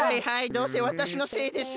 どうせわたしのせいですよ。